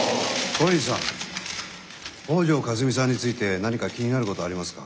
小西さん北條かすみさんについて何か気になることはありますか？